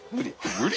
無理！